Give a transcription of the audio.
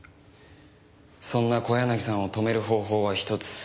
そんな小柳さんを止める方法は一つ。